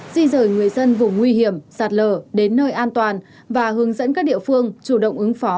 di rời người dân vùng nguy hiểm sạt lở đến nơi an toàn và hướng dẫn các địa phương chủ động ứng phó